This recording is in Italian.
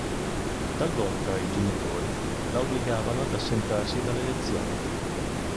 Talvolta i genitori la obbligavano ad assentarsi dalle lezioni.